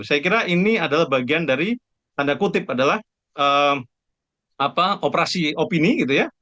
saya kira ini adalah bagian dari tanda kutip adalah operasi opini gitu ya